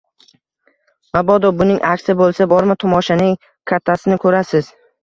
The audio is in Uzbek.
Mabodo, buning aksi bo`lsa bormi, tomoshaning kattasini ko`rasiz